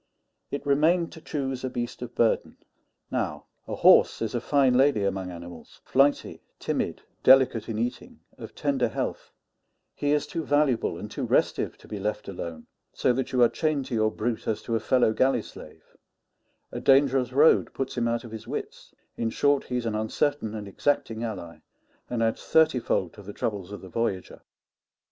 It remained to choose a beast of burden. Now, a horse is a fine lady among animals flighty, timid, delicate in eating, of tender health; he is too valuable and too restive to be left alone, so that you are chained to your brute as to a fellow galley slave; a dangerous road puts him out of his wits; in short, he's an uncertain and exacting ally, and adds thirty fold to the troubles of the voyager.